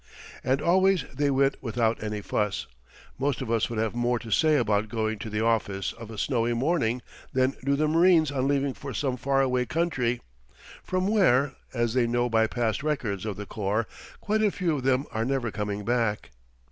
And always they went without any fuss. Most of us would have more to say about going to the office of a snowy morning than do the marines on leaving for some far away country, from where, as they know by past records of the corps, quite a few of them are never coming back.